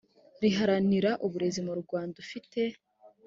riharanira uburezi mu rwanda ufite